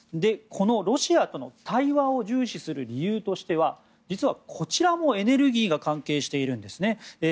このロシアとの対話を重視する理由は実はこちらもエネルギーが関係しているんですね。